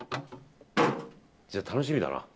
じゃあ、楽しみだな。